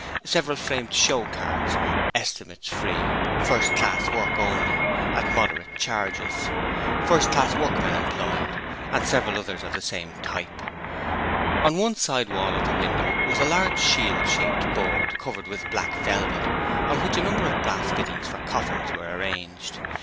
Several framed show cards 'Estimates Free', 'First class work only, at moderate charges', 'Only First Class Workmen Employed' and several others of the same type. On one side wall of the window was a large shield shaped board covered with black velvet on which a number of brass fittings for coffins were arranged.